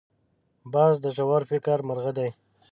باز د ژور فکر مرغه دی